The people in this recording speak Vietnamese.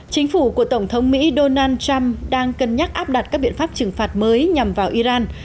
chính phủ của tổng thống mỹ donald trump đang cân nhắc áp đặt các biện pháp trừng phạt mới nhằm vào iran